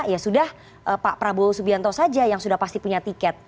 ya sudah pak prabowo subianto saja yang sudah pasti punya tiket